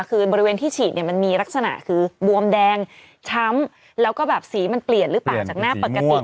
คือบริเวณที่ฉีดเนี่ยมันมีลักษณะคือบวมแดงช้ำแล้วก็แบบสีมันเปลี่ยนหรือเปล่าจากหน้าปกติ